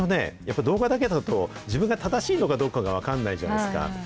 意外とね、動画だけだと自分が正しいのかどうかが分かんないじゃないですか。